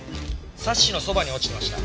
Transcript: サッシのそばに落ちてました。